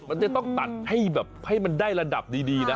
มันจะต้องตัดให้แบบให้มันได้ระดับดีนะ